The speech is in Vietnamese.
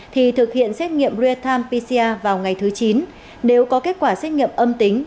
thì thực hiện xét nghiệm rietam pcr vào ngày thứ chín nếu có kết quả xét nghiệm âm tính